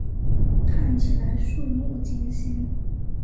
看起来怵目惊心